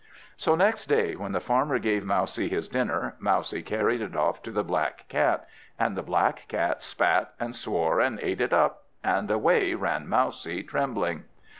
So next day, when the Farmer gave Mousie his dinner, Mousie carried it off to the black Cat, and the black Cat spat and swore and ate it up, and away ran Mousie trembling.